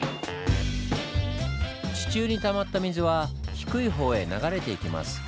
地中にたまった水は低い方へ流れていきます。